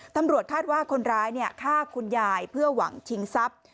ตำรวจคาดว่าคนร้ายฆ่าคุณยายเพื่อหวังชิงทรัพย์